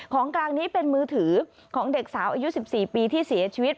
ของกลางนี้เป็นมือถือของเด็กสาวอายุ๑๔ปีที่เสียชีวิต